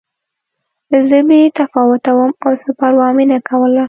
زه بې تفاوته وم او څه پروا مې نه کوله